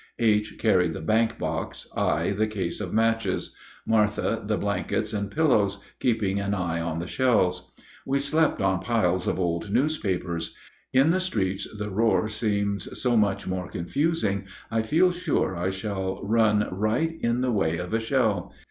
H. carried the bank box; I the case of matches; Martha the blankets and pillows, keeping an eye on the shells. We slept on piles of old newspapers. In the streets the roar seems so much more confusing, I feel sure I shall run right in the way of a shell.